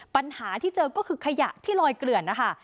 ปัญหาที่เจอก็คือขยะที่ลอยเกลื่อนนะคะ